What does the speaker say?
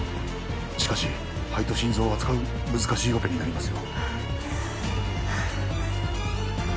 しかし肺と心臓を扱う難しいオペになりますよ